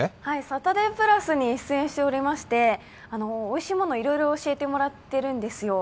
「サタデープラス」に出演しておりまして、おいしいものをいろいろ教えてもらってるんですよ。